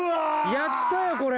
やったよこれ。